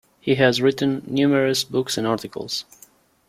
He has written numerous books and articles.